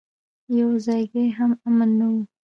يو ځايګى هم امن نه و.